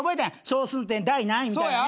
小数点第何位みたいな。